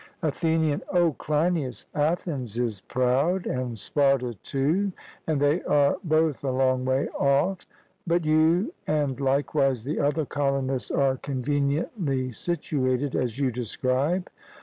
ATHENIAN: O, Cleinias, Athens is proud, and Sparta too; and they are both a long way off. But you and likewise the other colonists are conveniently situated as you describe.